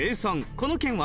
この県は？